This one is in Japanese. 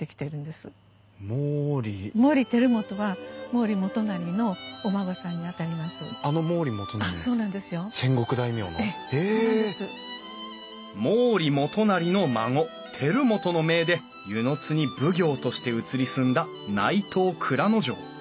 毛利元就の孫輝元の命で温泉津に奉行として移り住んだ内藤内蔵丞。